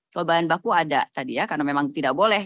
kalau bahan baku ada tadi ya karena memang tidak boleh